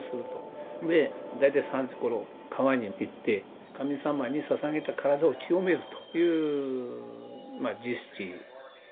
で大体３時頃川に行って神様に捧げた体を清めるという儀式。